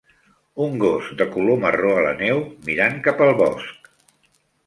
Un gos de color marró a la neu mirant cap al bosc.